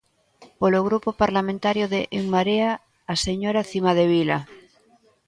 Polo Grupo Parlamentario de En Marea, a señora Cimadevila.